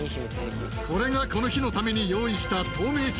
これがこの日のために用意した。